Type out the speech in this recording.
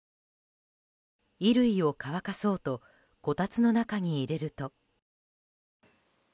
衣類を乾かそうとこたつの中に入れると。